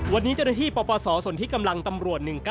วันนี้เจ้าหน้าที่ปปศส่วนที่กำลังตำรวจ๑๙